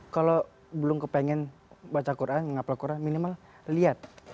kalau belum kepengen baca quran menghafal quran minimal lihat